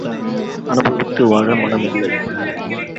அனுபவித்து வாழ மனமில்லை!